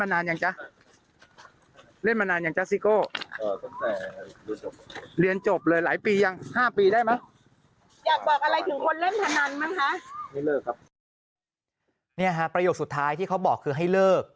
นี่ฮะประโยคสุดท้ายที่เขาบอกคือให้เลิก